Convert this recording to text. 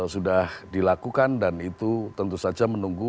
sudah dilakukan dan itu tentu saja menunggu